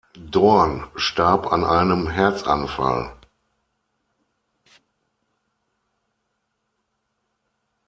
Dorn starb an einem Herzanfall.